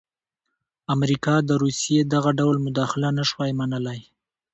امریکا د روسیې دغه ډول مداخله نه شوای منلای.